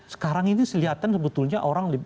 sekarang ini kebetulan sebutinnya orang orang